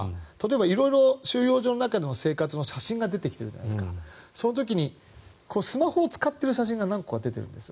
色々、収容所の中の生活の写真が出てますからその時に、スマホを使っている写真が何個か出ているんです。